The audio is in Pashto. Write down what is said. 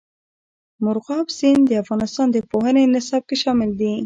مورغاب سیند د افغانستان د پوهنې نصاب کې شامل دي.